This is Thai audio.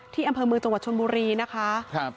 ที่อำเภอเมืองจังหวัดชนบุรีนะคะ